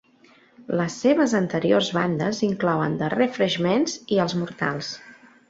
Les seves anteriors bandes inclouen The Refreshments i els Mortals.